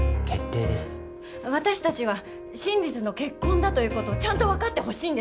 私たちは真実の結婚だということをちゃんと分かってほしいんです。